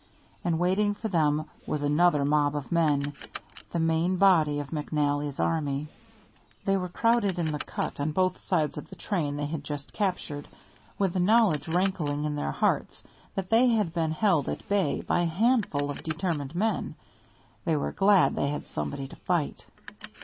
And waiting for them was another mob of men, the main body of McNally's army. They were crowded in the cut on both sides of the train they had just captured, with the knowledge rankling in their hearts that they had been held at bay by a handful of determined men. They were glad they had somebody to fight.